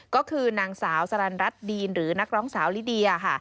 ก็คือนางสาวสรรรัฐดีนหรือนักร้องสาวลิเดียค่ะ